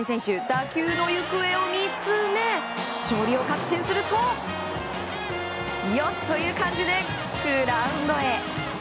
打球の行方を見つめ勝利を確信するとよし！という感じでグラウンドへ。